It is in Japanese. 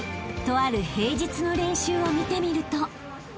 とある平日の練習を見てみると］